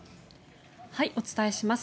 お伝えします。